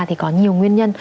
thì có nhiều nguyên nhân